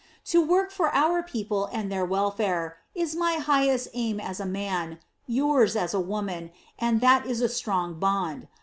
To work for our people and their welfare is my highest aim as a man, yours as a woman, and that is a strong bond.